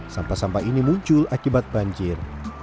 sampah sampah ini muncul akibat banjir